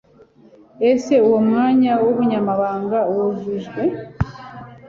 Ese uwo mwanya wubunyamabanga wujujwe